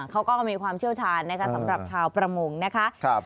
เขาก็มีความเชี่ยวชาญนะคะสำหรับชาวประมงนะคะ